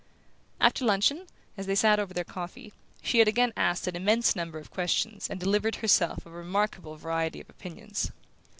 After luncheon, as they sat over their coffee, she had again asked an immense number of questions and delivered herself of a remarkable variety of opinions.